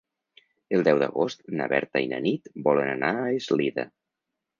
El deu d'agost na Berta i na Nit volen anar a Eslida.